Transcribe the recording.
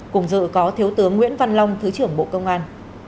cùng dự có thiếu tướng nguyễn văn long thứ trưởng bộ công an